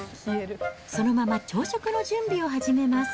そのまま朝食の準備を始めます。